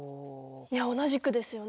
いや同じくですよね。